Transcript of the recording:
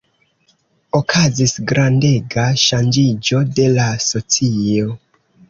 Okazis grandega ŝanĝiĝo de la socio.